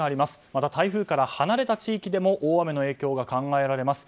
また台風から離れた地域でも大雨の影響が考えられます。